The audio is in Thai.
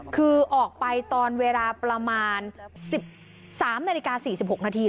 คือออกไปตอนเวลาประมาณสิบสามนาฬิกาสี่สิบหกนาทีหรอ